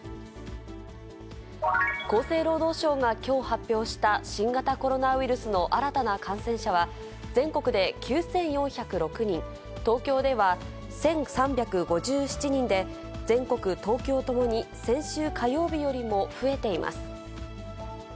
厚生労働省がきょう発表した新型コロナウイルスの新たな感染者は、全国で９４０６人、東京では１３５７人で、全国、東京ともに、先週火曜日よりも増えています。